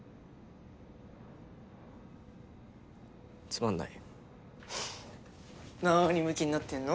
つまんないなにむきになってんの？